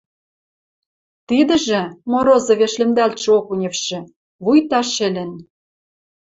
Тидӹжӹ, Морозовеш лӹмдӓлтшӹ Окуневшы, вуйта шӹлӹн.